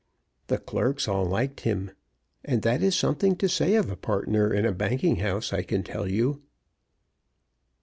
The clerks all liked him and that is something to say of a partner in a banking house, I can tell you!